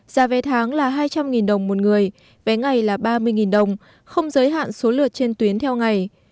giá vé tháng là hai trăm linh đồng một người vé ngày là ba mươi đồng không giới hạn số lượt trên tuyến theo ngày